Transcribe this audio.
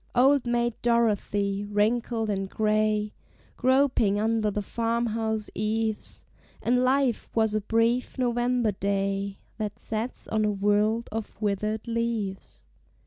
Old Maid Dorothy, wrinkled and gray, Groping under the farm house eaves, And life was a brief November day That sets on a world of withered leaves!